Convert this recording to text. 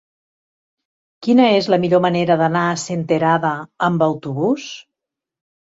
Quina és la millor manera d'anar a Senterada amb autobús?